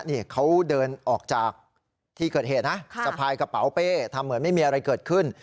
นี่เขาเดินออกจากที่เกิดเหตุนะสะพายกระเป๋าเป้ทำเหมือนไม่มีอะไรเกิดขึ้น